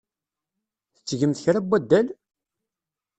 Tettgemt kra n waddal?